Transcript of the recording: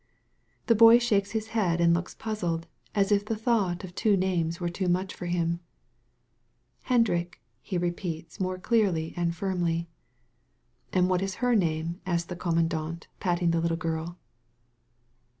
The boy shakes his head and looks puzzled, as if the thought of two names were too much for him. *^Hendnk, he rei)eats more clearly and firmly. "And what is her name?" asks the commandant, patting the little girl.